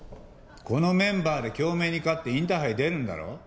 このメンバーで京明に勝ってインターハイ出るんだろ？